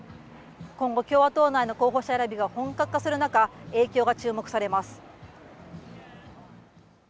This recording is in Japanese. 今後、共和党内の候補者選びが本格化する中、影響が注目されます。